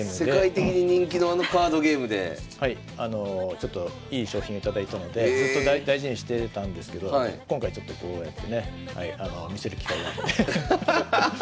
ちょっといい賞品頂いたのでずっと大事にしてたんですけど今回ちょっとこうやってね見せる機会があって。